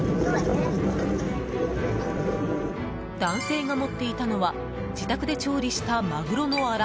男性が持っていたのは自宅で調理したマグロのアラ。